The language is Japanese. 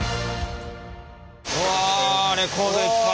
うわレコードいっぱい！